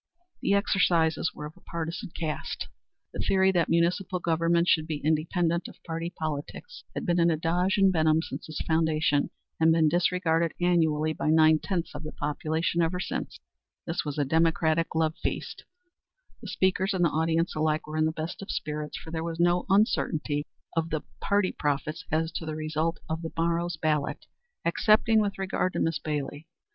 The exercises were of a partisan cast. The theory that municipal government should be independent of party politics had been an adage in Benham since its foundation, and been disregarded annually by nine tenths of the population ever since. This was a Democratic love feast. The speakers and the audience alike were in the best of spirits, for there was no uncertainty in the minds of the party prophets as to the result of the morrow's ballot excepting with regard to Miss Bailey.